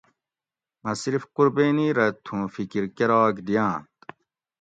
مہ صرف قُربینی رہ تھوں فِکر گِراگ دِیانت